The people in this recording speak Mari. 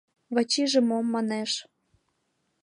Вачиже мом манеш?